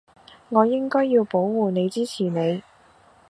我應該要保護你支持你